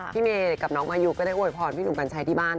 พี่เมย์กับน้องมายูก็ได้โวยพรพี่หนุ่มกัญชัยที่บ้าน